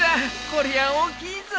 こりゃ大きいぞ。